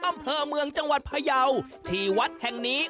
อำเภอเมืองจังหวัดพยาวที่วัดแห่งนี้